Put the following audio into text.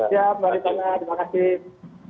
siap mari sama terima kasih